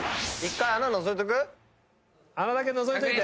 穴だけのぞいといて。